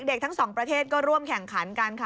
ทั้งสองประเทศก็ร่วมแข่งขันกันค่ะ